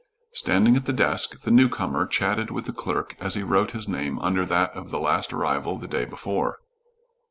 Standing at the desk, the newcomer chatted with the clerk as he wrote his name under that of the last arrival the day before.